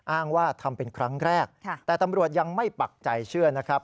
อ้างว่าทำเป็นครั้งแรกแต่ตำรวจยังไม่ปักใจเชื่อนะครับ